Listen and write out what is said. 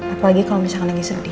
apalagi kalau misalkan lagi sedih